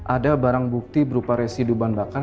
ada barang bukti berupa residu bahan bakar